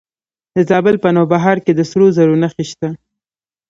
د زابل په نوبهار کې د سرو زرو نښې شته.